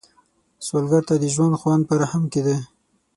سوالګر ته د ژوند خوند په رحم کې دی